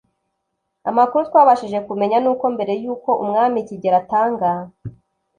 Amakuru twabashije kumenya n’uko mbere y’uko Umwami Kigeli " Atanga"